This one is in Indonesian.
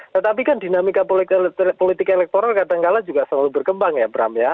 tetapi kan dinamika politik elektoral kadangkala juga selalu berkembang ya bram ya